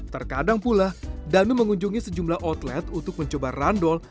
terkadang pula danu mengunjungi sejumlah outlet untuk mencoba randol